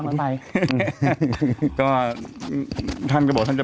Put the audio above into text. เรียกมหาได้